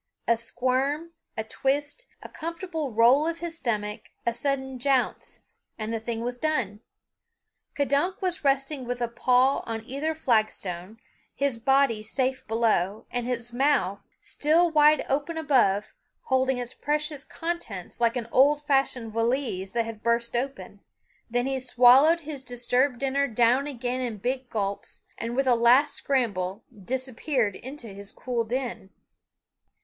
A squirm, a twist, a comfortable roll of his stomach, a sudden jounce and the thing was done. K'dunk was resting with a paw on either flagstone, his body safe below and his mouth, still wide open above, holding its precious contents, like an old fashioned valise that had burst open. Then he swallowed his disturbed dinner down again in big gulps, and with a last scramble disappeared into his cool den.